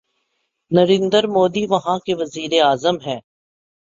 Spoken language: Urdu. نریندر مودی وہاں کے وزیر اعظم ہیں۔